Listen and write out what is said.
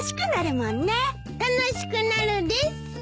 楽しくなるです。